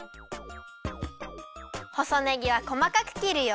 細ねぎはこまかくきるよ。